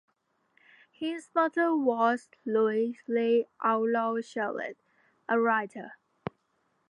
His mother was Louise Lee Outlaw Shallit, a writer.